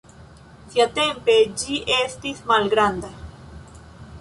Siatempe ĝi estis malgranda.